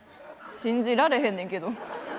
信じられへんねんけど。